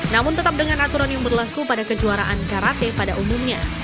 namun tetap dengan aturan yang berlaku pada kejuaraan karate pada umumnya